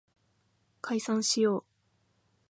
解散しよう